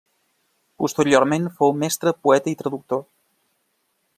Posteriorment fou mestre, poeta i traductor.